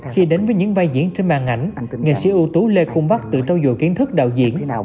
khi đến với những vai diễn trên màn ảnh nghệ sĩ ưu tú lê cung bắc tự trau dồi kiến thức đạo diễn